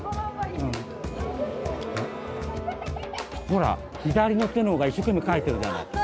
ほら左の手の方が一生懸命描いてるじゃない？